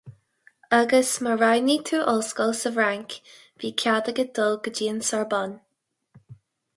Agus má roghnaigh tú ollscoil sa bhFrainc, bhí cead agat dul go dtí an Sorbonne.